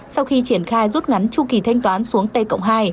sau khi triển khai rút ngắn chu kỳ thanh toán xuống t cộng hai